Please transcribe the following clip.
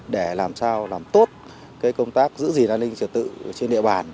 để làm sao làm tốt công tác giữ gìn an ninh trật tự trên địa bàn